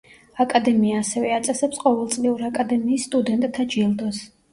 აკადემია ასევე აწესებს ყოველწლიურ აკადემიის სტუდენტთა ჯილდოს.